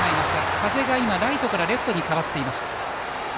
風がライトからレフトに変わっていました。